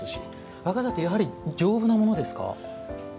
和傘って、やはり丈夫なものですか？